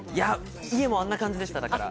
家もあんな感じでした。